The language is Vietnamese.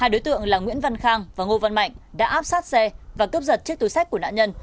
hai đối tượng là nguyễn văn khang và ngô văn mạnh đã áp sát xe và cướp giật chiếc túi sách của nạn nhân